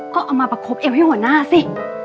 ก็เอามาประคบเอวให้หัวหน้าสิ